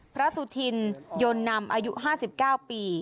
สุธินยนต์นำอายุ๕๙ปี